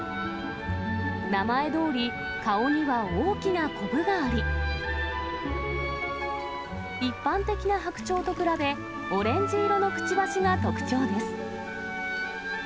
名前どおり、顔には大きなコブがあり、一般的なハクチョウと比べ、オレンジ色のくちばしが特徴です。